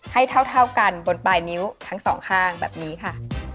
ให้เท่ากันบนปลายนิ้วทั้งสองข้างแบบนี้ค่ะ